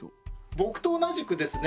僕と同じくですね